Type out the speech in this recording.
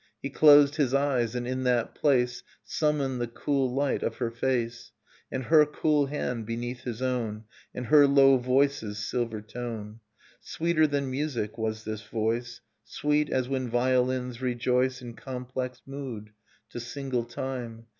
. He closed his eyes, and in that place Summoned the cool light of her face, And her cool hand beneath his own, And her low voice's silver tone. Sweeter than music was this voice: Sweet as when violins rejoice In complex mood, to single time.